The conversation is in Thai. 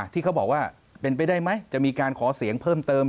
ที่เขาบอกว่าเป็นไปได้ไหมจะมีการขอเสียงเพิ่มเติม